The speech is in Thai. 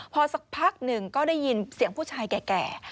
พอสักพักหนึ่งก็ได้ยินเสียงผู้ชายแก่